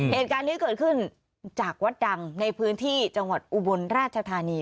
เหตุการณ์นี้เกิดขึ้นจากวัดดังในพื้นที่จังหวัดอุบลราชธานี